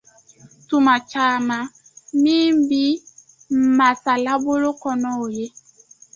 Tuma caaman, min bi masalabolo kɔnɔ, o ye: